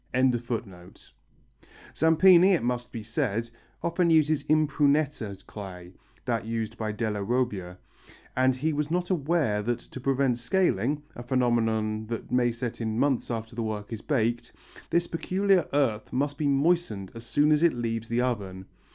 Zampini, it must be said, often uses Impruneta clay (that used by della Robbia), and he was not aware that to prevent scaling a phenomenon that may set in months after the work is baked this peculiar earth must be moistened as soon as it leaves the oven.